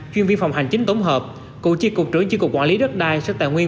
chuyên viên phòng hành chính tổng hợp cụ chiếc cục trưởng chiếc cục quản lý đất đai sức tài nguyên